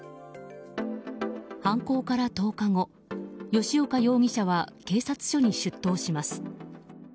犯行から１０日後吉岡容疑者は警察署に出頭します。